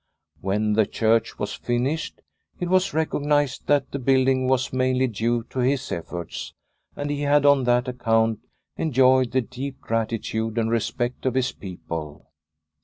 When the church was finished it was recognised that the building was mainly due to his efforts, and he had on that account enjoyed the deep gratitude and respect of his people.